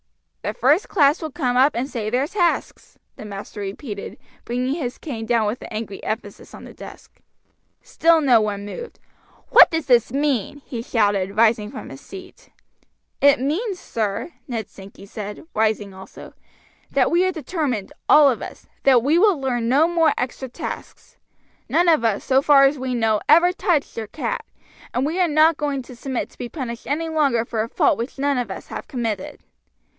"The first class will come up and say their tasks," the master repeated, bringing his cane down with angry emphasis on the desk. Still no one moved. "What does this mean?" he shouted, rising from his seat. "It means, sir," Ned Sankey said, rising also, "that we are determined, all of us, that we will learn no more extra tasks. None of us, so far as we know, ever touched your cat, and we are not going to submit to be punished any longer for a fault which none of us have committed."